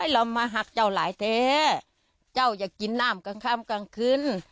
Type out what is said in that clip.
เรามาหักเจ้าหลายแท้เจ้าอย่ากินน้ำกลางค่ำกลางคืน